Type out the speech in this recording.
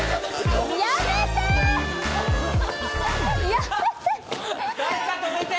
やめて！